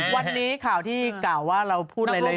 วันนี้ข่าวที่กล่าวว่าเราพูดหลาย